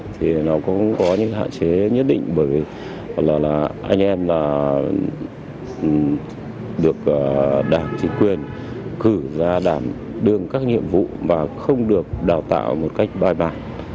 tuy nhiên là được đảng chính quyền cử ra đảm đương các nhiệm vụ mà không được đào tạo một cách bài bản